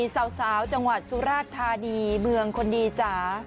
สาวจังหวัดสุราชธานีเมืองคนดีจ๋า